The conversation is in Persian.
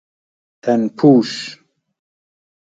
تن پوش